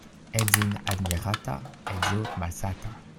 Edzin' admirata — edzo malsata.